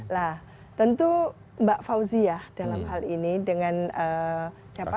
nah tentu mbak fauzia dalam hal ini dengan siapa